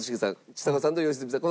ちさ子さんと良純さん。